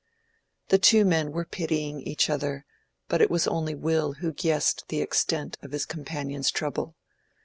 The two men were pitying each other, but it was only Will who guessed the extent of his companion's trouble.